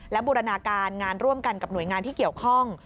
และบูรณาการงานร่วมกันกับหน่วยงานที่เกี่ยวข้อง